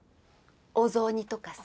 お雑煮とかさ。